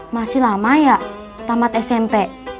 masih lama ya tamat smp